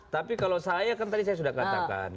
tapi kalau saya kan tadi saya sudah katakan